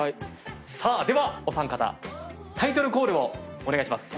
さあではお三方タイトルコールをお願いします。